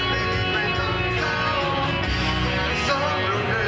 อีกเพลงหนึ่งครับนี้ให้สนสารเฉพาะเลย